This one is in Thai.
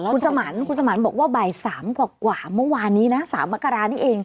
คุณสมันคุณสมันบอกว่าบ่าย๓กว่าเมื่อวานนี้นะ๓มกรานี่เอง